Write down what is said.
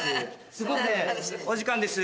すごく。お時間です。